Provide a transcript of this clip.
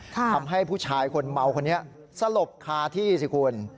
ทำให้ผู้ชายคนเมาคนนี้สลบคาที่สิคุณ